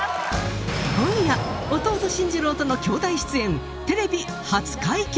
今夜弟・進次郎との兄弟出演テレビ初解禁！